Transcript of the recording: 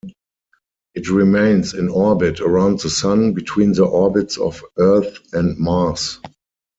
It remains in orbit around the Sun, between the orbits of Earth and Mars.